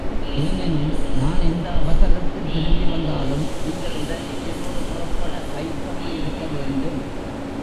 ஏனெனில் நான் எந்த அவசரத்தில் திரும்பி வந்தாலும் நீங்கள் உடனே என்னோடு புறப்பட ஆயத்தமாயிருக்க வேண்டும்.